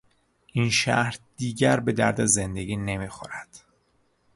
این شهر دیگر به درد زندگی نمیخورد.